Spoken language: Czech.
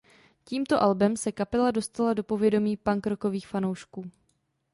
Tímto albem se kapela dostala do povědomí punk rockových fanoušků.